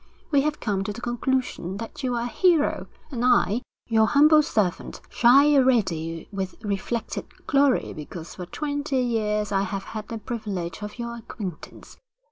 We have come to the conclusion that you are a hero, and I, your humble servant, shine already with reflected glory because for twenty years I have had the privilege of your acquaintance.